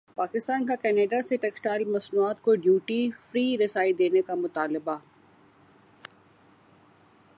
پاکستان کاکینیڈا سے ٹیکسٹائل مصنوعات کو ڈیوٹی فری رسائی دینے کامطالبہ